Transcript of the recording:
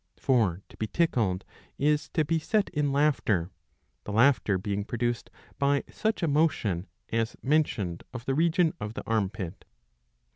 For to be tickled is to be set in laughter, the laughter being produced by such a motion as mentioned of the region of the armpit.